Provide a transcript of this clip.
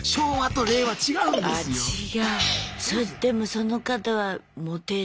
でもその方はモテる。